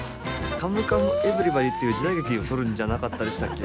「かむかむえりばでぃ」っていう時代劇を撮るんじゃなかったでしたっけ？